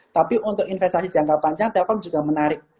tapi untuk investasi jangka panjang telkom juga menarik